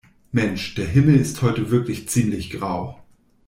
Mensch, der Himmel ist heute wirklich ziemlich grau.